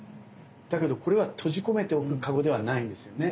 だけどこれは閉じ込めておくかごではないんですよね。